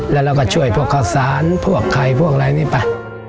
แล้วเราก็ช่วยพวกข้าวสารพวกไข่พวกอะไรนี้ไป